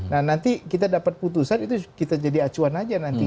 nah nanti kita dapat putusan itu kita jadi acuan aja nanti